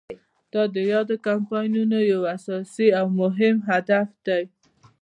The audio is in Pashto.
دا د یادو کمپاینونو یو اساسي او مهم هدف دی.